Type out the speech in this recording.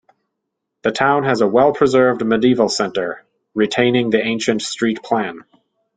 The town has a well-preserved medieval centre, retaining the ancient street plan.